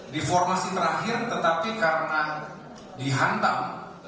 di formasi terakhir tetapi karena dihantam